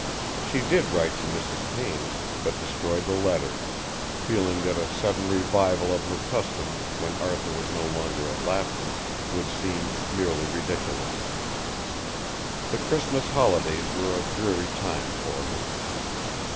She did write to Mrs. Payne, but destroyed the letter, feeling that a sudden revival of her custom when Arthur was no longer at Lapton would seem merely ridiculous. The Christmas holidays were a dreary time for her.